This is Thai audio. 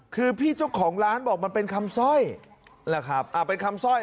คือพี่เจ้าของร้านบอกมันเป็นคำซ่อย